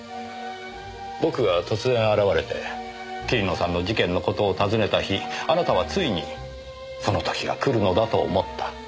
僕が突然現れて桐野さんの事件の事を尋ねた日あなたはついにその時が来るのだと思った。